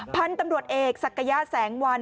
พันธุ์ตำรวจเอกศักยะแสงวัน